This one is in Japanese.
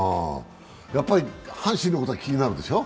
やっぱり阪神のことは気になるでしょう？